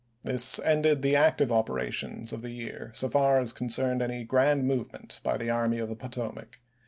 This ended the active opera tions of the year so far as concerned any grand movement by the Army of the Potomac.